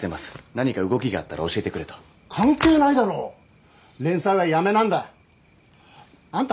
何か動きがあったら教えてくれと関係ないだろ連載はやめなんだあんた